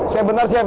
siap bentar siap